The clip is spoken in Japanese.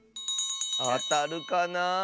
あたるかな。